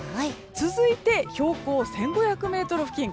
続いて、標高１５００ｍ付近。